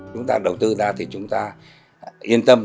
chúng ta đầu tư ra thì chúng ta yên tâm